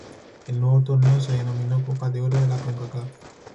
El nuevo torneo se denominó Copa de Oro de la Concacaf.